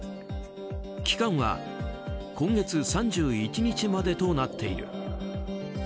期間は今月３１日までとなっている。